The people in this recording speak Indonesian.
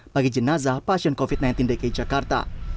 bagi jenazah pasien covid sembilan belas dki jakarta